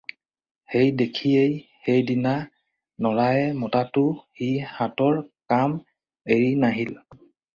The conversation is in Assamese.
সেই দেখিয়েই সেই দিনা নৰায়ে মতাতো সি হাতৰ কাম এৰি নাহিল।